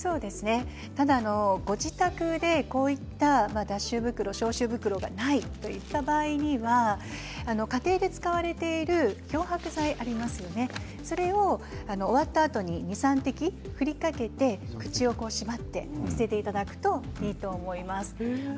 ただご自宅でこういった消臭袋、脱臭袋がないという場合には家庭で使われている漂白剤を終わったあとに２、３滴振りかけて口を縛って捨てていただくといいと思います。